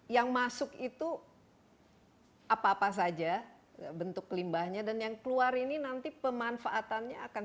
yang masuk itu apa apa saja bentuk limbahnya dan yang keluar ini nanti pemanfaatannya akan